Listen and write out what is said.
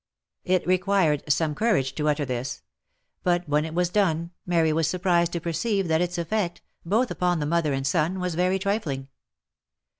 It required some cou rage to utter this"; but when it wasdone, Mary was surprised to perceive that its effect, both upon the mother and son was very trifling.